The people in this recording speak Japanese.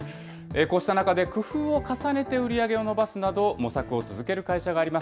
こうした中で工夫を重ねて売り上げを伸ばすなど、模索を続ける会社があります。